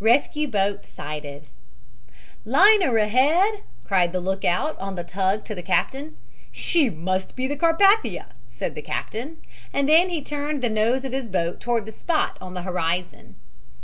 RESCUE BOAT SIGHTED "Liner ahead!" cried the lookout on the tug to the captain. "She must be the Carpathia," said the captain, and then he turned the nose of his boat toward the spot on t he horizon.